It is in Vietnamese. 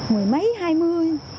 mười mấy hai mươi